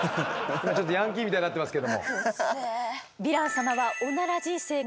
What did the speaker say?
ちょっとヤンキーみたいになってますけども。